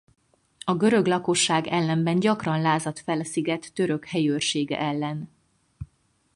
A görög lakosság ellenben gyakran lázadt fel a sziget török helyőrsége ellen.